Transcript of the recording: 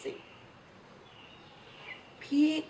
แล้วบอกว่าไม่รู้นะ